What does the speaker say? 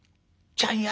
ちゃんや。